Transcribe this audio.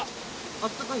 あったかい？